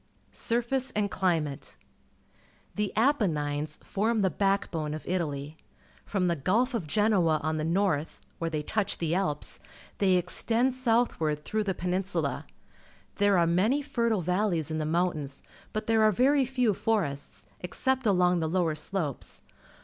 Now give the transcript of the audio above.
Surface and Climate. — The Apennines form the backbone of Italy. From the Ghilf of Genoa on the north, where they touch the Alps, thej" extend southward through the ITALY 197 peninsula. There are many fertile valleys in the mountains, but there are very few forests, except along the lower slopes.